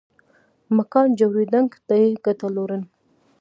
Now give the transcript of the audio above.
مکان جوړېدنک دې ګټه لورن